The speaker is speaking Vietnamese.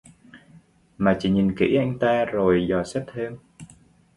Mà chỉ nhìn kỹ anh ta rồi dò xét thêm